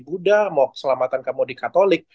buddha mau keselamatan kamu di katolik